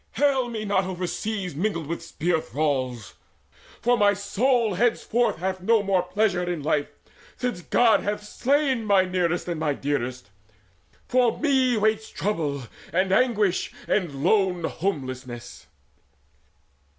Hale me not overseas Mingled with spear thralls; for my soul henceforth Hath no more pleasure in life, since God hath slain My nearest and my dearest! For me waits Trouble and anguish and lone homelessness!"